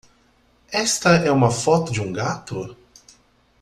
Esta é uma foto de um gato?